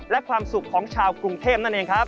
และความสุขของชาวกรุงเทพนั่นเองครับ